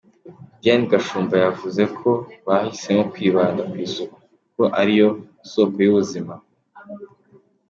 Diane Gashumba yavuze ko bahisemo kwibanda ku isuku kuko ari yo soko y’ubuzima.